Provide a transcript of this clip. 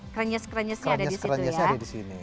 krenyes krenyesnya ada di situ ya